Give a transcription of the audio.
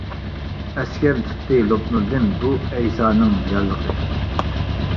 ئەسكەر تۇتتى لوپنۇردىن، بۇ ئەيسانىڭ يارلىقى.